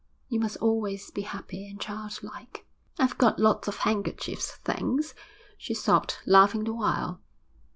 You must always be happy and childlike.' 'I've got lots of handkerchiefs, thanks,' she sobbed, laughing the while.